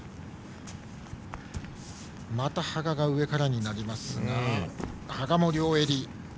また羽賀が上からになりますが羽賀も両襟。